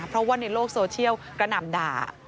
เพราะว่าในโลกโซเชียลกระหน่ำด่า